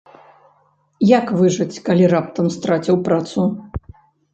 Як выжыць, калі раптам страціў працу?